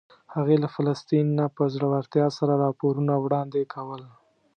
هغې له فلسطین نه په زړورتیا سره راپورونه وړاندې کول.